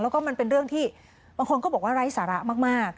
แล้วก็มันเป็นเรื่องที่บางคนก็บอกว่าไร้สาระมาก